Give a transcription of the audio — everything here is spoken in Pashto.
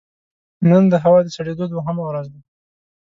نن د هوا د سړېدو دوهمه ورځ ده